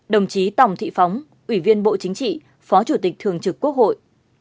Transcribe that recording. đồng chí tòng thị phóng ủy viên bộ chính trị phó chủ tịch thường trực quốc hội